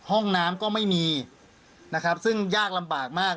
ห้องน้ำก็ไม่มีนะครับซึ่งยากลำบากมาก